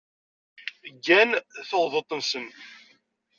Gan tuɣdaṭ-nsen.